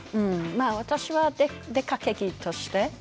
私は出かけ着として。